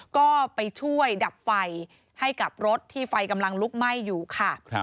ก็ไปช่วยดับไฟให้กับรถที่ไฟกำลังลุกไหม้อยู่ค่ะ